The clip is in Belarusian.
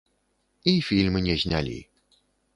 І фільм не знялі.